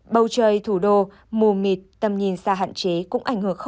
bầu trời thủ đô mù mịt tầm nhìn xa hạn chế cũng ảnh hưởng không